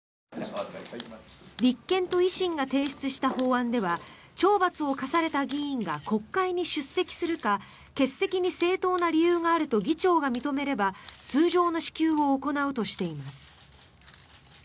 立憲と維新が提出した法案では懲罰を科された議員が国会に出席するか欠席に正当な理由があると議長が認めれば通常の支給を行うとしています。